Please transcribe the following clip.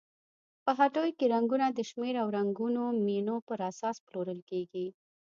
په هټیو کې رنګونه د شمېر او رنګونو مینو پر اساس پلورل کیږي.